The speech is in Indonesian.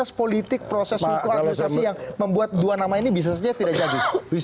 proses politik proses hukum administrasi yang membuat dua nama ini bisa saja tidak jadi